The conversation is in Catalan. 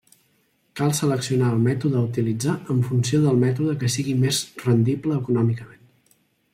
Cal seleccionar el mètode a utilitzar en funció del mètode que sigui més rendible econòmicament.